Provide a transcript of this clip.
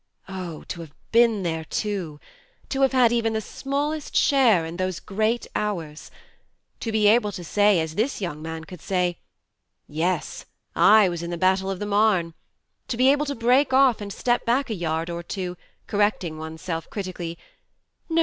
Oh, to have been there too ! To have had even the smallest share in those great hours ! To be able to say, as this young man could say : "Yes, I was in the battle of the Marne"; to be able to break off, and step back a yard or two, correcting one's self critic ally :" No